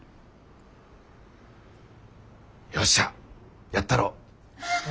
よっしゃやったろ。